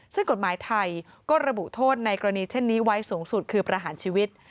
ซึ่งกฎหมายไทยก็ระบุโทษในกรณีเช่นนี้ไว้สูงสุดคือประหารชีวิต